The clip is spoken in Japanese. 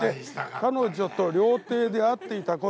彼女と料亭で会っていた事は。